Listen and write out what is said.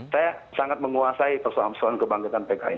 saya sangat menguasai persoalan persoalan kebangkitan pki